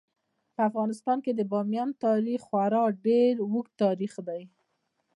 په افغانستان کې د بامیان تاریخ خورا ډیر اوږد تاریخ دی.